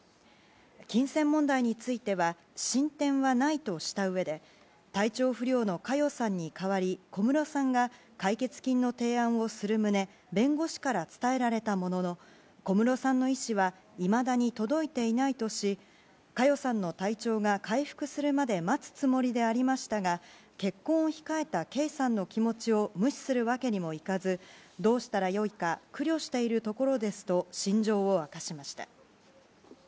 金銭問題については進展はないとしたうえで体調不良の佳代さんに代わり小室さんが解決金の提案をする旨弁護士から伝えられたものの小室さんの意思はいまだに届いていないとし佳代さんの体調が回復するまで待つつもりでありましたが結婚を控えた圭さんの気持ちを無視するわけにもいかずどうしたら良いか苦慮しているところですと心情を明かしました。